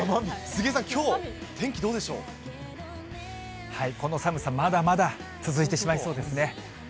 杉江さん、きょう、天気どうこの寒さ、まだまだ続いてしまいそうですね。